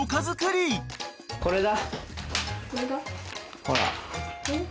これだ。